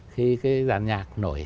khi cái giàn nhạc nổi